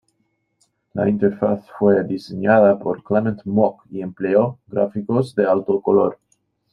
La interfaz fue diseñada por Clement Mok y empleó gráficos de alto color.